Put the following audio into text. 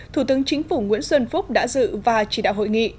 thủ tướng chính phủ nguyễn xuân phúc đã dự và chỉ đạo hội nghị